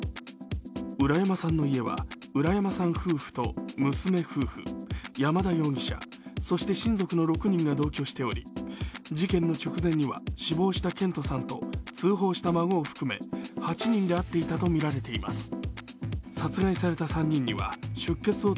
浦山さんの家は浦山さん夫婦と娘夫婦、山田容疑者、そして親族の６人が同居しており事件の直前には死亡した健人さんと通報した孫を含め８人で会っていたとみられています